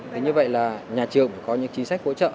thế như vậy là nhà trường có những trí sách hỗ trợ